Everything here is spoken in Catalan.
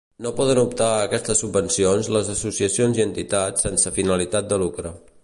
No poden optar a aquestes subvencions les associacions i entitats sense finalitat de lucre.